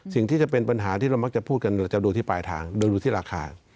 สิ่งที่จะเป็นปัญหาที่เรามักจะพูดกันเราจะดูที่ปลายทางโดยดูที่ราคา